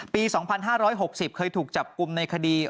ปี๒๕๖๐เคยถูกจับกลุ่มในคดี